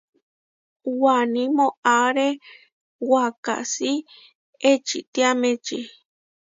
Waní moʼáre wakasí eʼčitiámeči.